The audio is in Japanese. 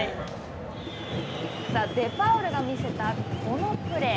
さあ、デパウルが見せたこのプレー。